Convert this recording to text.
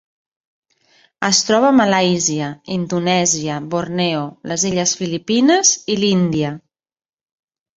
Es troba a Malàisia, Indonèsia, Borneo, les illes Filipines i l'Índia.